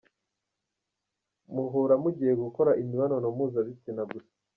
Muhura mugiye gukora imibanano mpuzabitsina gusa.